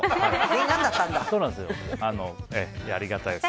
ありがたいですね。